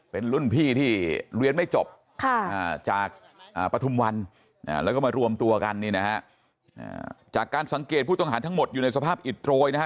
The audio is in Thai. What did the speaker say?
เป็นรุ่นพี่ที่เรียนไม่จบจากปฐุมวันแล้วก็มารวมตัวกันนี่นะฮะจากการสังเกตผู้ต้องหาทั้งหมดอยู่ในสภาพอิดโรยนะฮะ